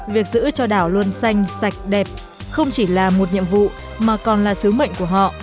việc giữ cho đảo luôn xanh sạch đẹp không chỉ là một nhiệm vụ mà còn là sứ mệnh của họ